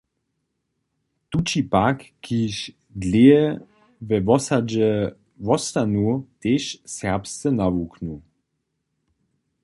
Tući pak, kiž dlěje we wosadźe wostanu, tež serbsce nawuknu.